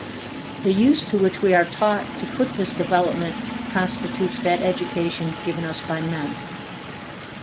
The use to which we are taught to put this development constitutes that education given us by Men.